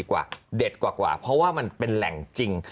กูจะลณักกว่าเพราะว่ามันเป็นแหล่งจริง